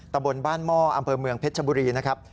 ตำบลบ้านหม้ออำเภอเมืองเพชรชบุรีนะครับ